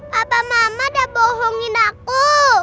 papa mama udah bohongin aku